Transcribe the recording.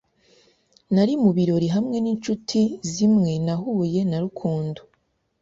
Nari mu birori hamwe ninshuti zimwe nahuye na Rukundo.